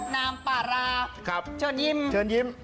น้ำปลาราเชิญยิม